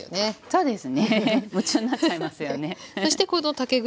そうです。